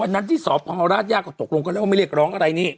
นั้นที่สพราชย่าก็ตกลงกันแล้วว่าไม่เรียกร้องอะไรนี่